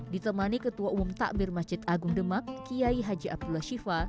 ditemani ketua umum takbir masjid agung demak kiai haji abdullah syifa